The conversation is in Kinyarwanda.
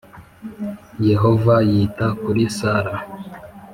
Yehova yita kuri Sara